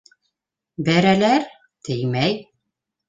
Бәрәләр - теймәй.